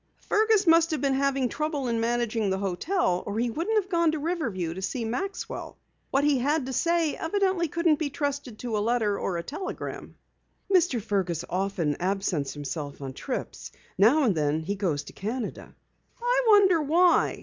"Fergus must have been having trouble in managing the hotel or he wouldn't have gone to Riverview to see Maxwell. What he had to say evidently couldn't be trusted to a letter or a telegram." "Mr. Fergus often absents himself on trips. Now and then he goes to Canada." "I wonder why?"